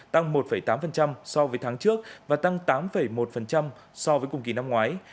tăng một tám so với tháng trước và tăng tám một so với cùng kỳ năm ngoái